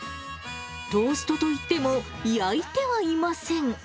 トーストといっても、焼いてはいません。